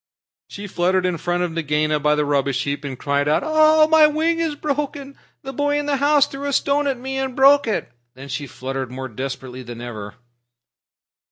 She fluttered in front of Nagaina by the rubbish heap and cried out, "Oh, my wing is broken! The boy in the house threw a stone at me and broke it." Then she fluttered more desperately than ever.